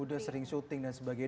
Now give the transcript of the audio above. udah sering syuting dan sebagainya